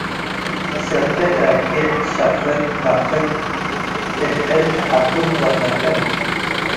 ትሰፌ፡ ትረቄዕ፤፡ ትሸፍጥ፡ ትለፍቅ፡ ትፍዕል፡ ተሐበክ ወትለጥም ።